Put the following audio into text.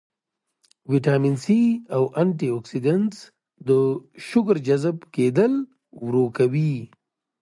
وټامن سي او انټي اکسيډنټس د شوګر جذب کېدل ورو کوي